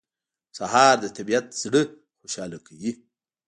سهار د طبیعت زړه خوشاله کوي.